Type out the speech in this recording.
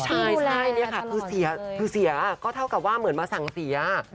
ใช่คือเสียก็เท่ากับว่าเหมือนมาสั่งเสีย